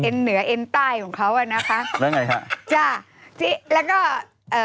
เหนือเอ็นใต้ของเขาอ่ะนะคะแล้วไงฮะจ้ะที่แล้วก็เอ่อ